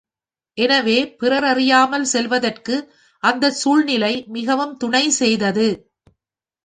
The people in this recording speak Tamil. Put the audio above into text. எனவே பிறரறியாமற் செல்வதற்கு அந்தச் சூழ்நிலை மிகவும் துணை செய்தது.